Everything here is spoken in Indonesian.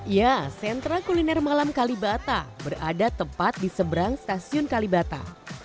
ya sentra kuliner malam kalibata berada tepat di seberang stasiun kalibata